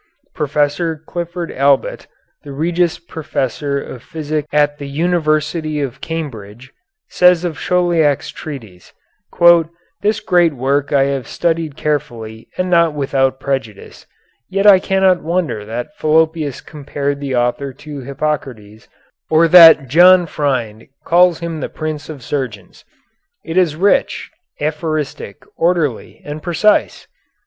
Professor Clifford Allbutt, the Regius Professor of Physic at the University of Cambridge, says of Chauliac's treatise: "This great work I have studied carefully and not without prejudice; yet I cannot wonder that Fallopius compared the author to Hippocrates or that John Freind calls him the Prince of Surgeons. It is rich, aphoristic, orderly, and precise."